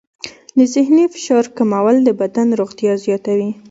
د ذهني فشار کمول د بدن روغتیا زیاتوي.